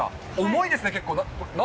重いですね、結構。